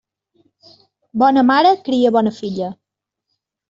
Bona mare cria bona filla.